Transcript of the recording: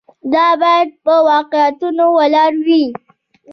دا باید په واقعیتونو ولاړ وي.